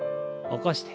起こして。